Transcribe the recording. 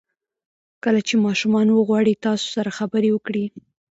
کله چې ماشومان وغواړي تاسو سره خبرې وکړي.